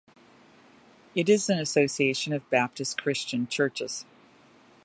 It is an association of Baptist, Christian churches.